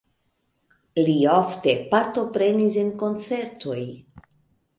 Li ofte partoprenis en koncertoj.